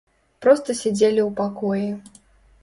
Проста сядзелі ў пакоі.